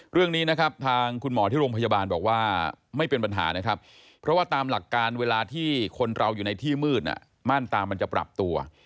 เรื่องนี้นะครับทางคุณหมอที่โรงพยาบาลบอกว่าไม่เป็นปัญหานะครับเพราะว่าตามหลักการเวลาที่คนเราอยู่ในที่มืดม่านตามันจะปรับตัว